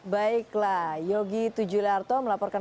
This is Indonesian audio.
baiklah yogi tujularto melaporkan